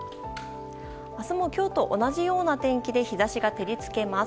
明日も今日と同じような天気で日差しが照りつけます。